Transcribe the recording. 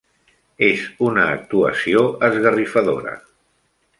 És una actuació esgarrifadora.